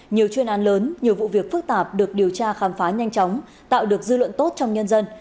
nhiều chuyên an lớn nhiều vụ việc phức tạp được điều tra khám phá nhanh chóng tạo được dư luận tốt trong nhân dân